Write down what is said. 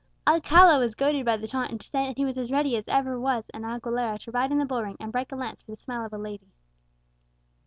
Alcala was goaded by the taunt into saying that he was as ready as was ever an Aguilera to ride in the bull ring, and break a lance for the smile of a lady."